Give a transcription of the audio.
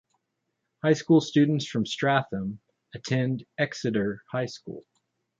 High school students from Stratham attend Exeter High School.